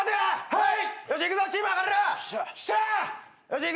はい。